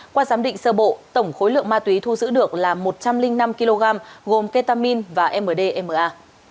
qua giám định sơ bộ tổng khối lượng ma túy thu giữ được là một trăm linh năm kg gồm ketamin và mdma